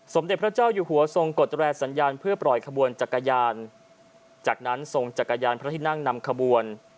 สมเด็จพระเจ้าอยู่หัวทรงกฎแรสัญญาณเพื่อปล่อยขบวนจักรยานจากนั้นทรงจักรยานพระที่นั่งนำขบวน